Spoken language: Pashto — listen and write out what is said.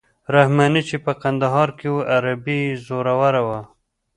رحماني چې په کندهار کې وو عربي یې زوروره وه.